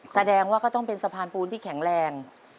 แสดงว่าก็ต้องเป็นสะพานปูนที่แข็งแรง